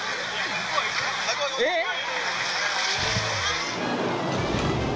えっ！